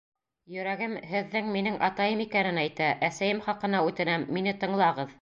— Йөрәгем һеҙҙең минең атайым икәнен әйтә, әсәйем хаҡына үтенәм, мине тыңлағыҙ!